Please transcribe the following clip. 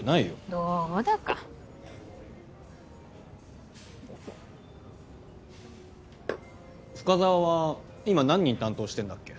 どうだか深沢は今何人担当してんだっけ？